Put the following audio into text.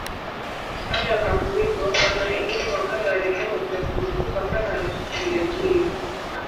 Kabla ya mafuriko, wana-elimu wa kale walifanya utafiti mkubwa sana katika eneo hili.